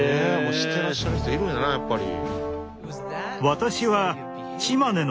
してらっしゃる人いるんやなやっぱり。